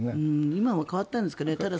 今は変わったんですかね。